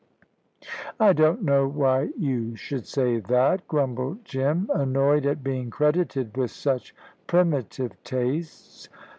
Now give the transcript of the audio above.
"I don't know why you should say that," grumbled Jim, annoyed at being credited with such primitive tastes.